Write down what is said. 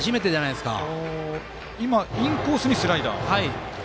今、インコースにスライダーですか。